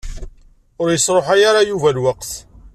Ur yesṛuḥay ara Yuba lweqt.